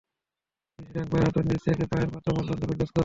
শিশুটির ডান পায়ের হাঁটুর নিচ থেকে পায়ের পাতা পর্যন্ত ব্যান্ডেজ করা।